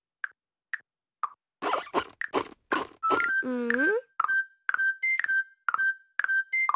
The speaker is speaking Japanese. うん？